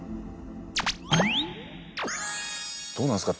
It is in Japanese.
どうなんですか？